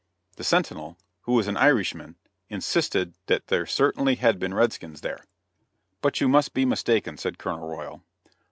The sentinel, who was an Irishman insisted that there certainly had been red skins there. [Illustration: "INDIANS!"] "But you must be mistaken," said Colonel Royal.